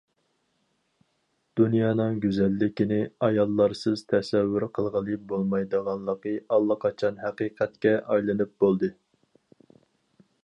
دۇنيانىڭ گۈزەللىكىنى ئاياللارسىز تەسەۋۋۇر قىلغىلى بولمايدىغانلىقى ئاللىقاچان ھەقىقەتكە ئايلىنىپ بولدى.